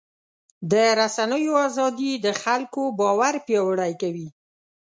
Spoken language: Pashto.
د رسنیو ازادي د خلکو باور پیاوړی کوي.